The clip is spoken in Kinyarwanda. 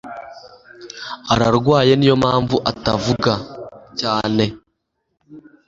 ararwaye niyo mpamvu atavuga cyane